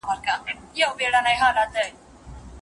د دې خبري دليل څه دی؟